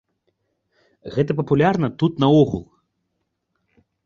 Гэта папулярна тут наогул.